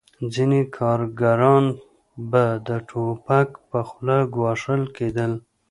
ځینې کارګران به د ټوپک په خوله ګواښل کېدل